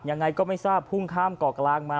ยังไงก็ไม่ทราบพุ่งข้ามเกาะกลางมา